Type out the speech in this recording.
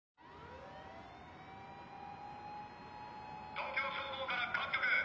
東京消防から各局。